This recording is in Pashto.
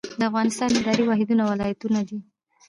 د افغانستان اداري واحدونه ولایتونه دي